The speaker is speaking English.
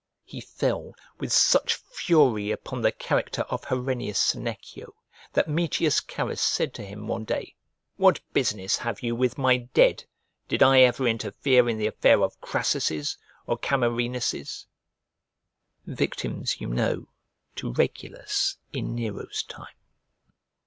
He fell with such fury upon the character of Herennius Senecio that Metius Carus said to him, one day, "What business have you with my dead? Did I ever interfere in the affair of Crassus or Camerinus?" Victims, you know, to Regulus, in Nero's time.